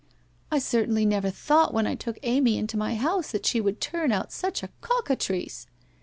I certainly never thought when I took Amy into my house that she would turn out such a cockatrice